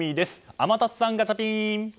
天達さん、ガチャピン！